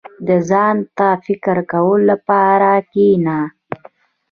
• د ځان ته فکر کولو لپاره کښېنه.